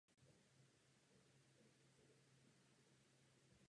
O letních prázdninách byly vysílány reprízy nejúspěšnějších dílů.